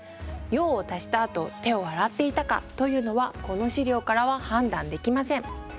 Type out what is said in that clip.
用を足したあと手を洗っていたかというのはこの資料からは判断できません。